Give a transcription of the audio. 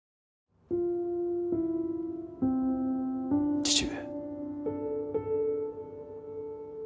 父上。